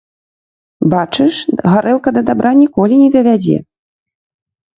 Бачыш, гарэлка да дабра ніколі не давядзе.